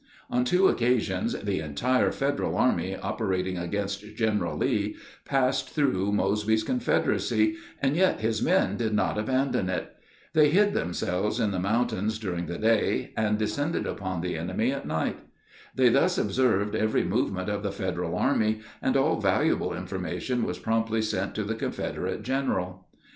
On two occasions the entire Federal army operating against General Lee passed through Mosby's Confederacy, and yet his men did not abandon it. They hid themselves in the mountains during the day, and descended upon the enemy at night. They thus observed every movement of the Federal army, and all valuable information was promptly sent to the Confederate general.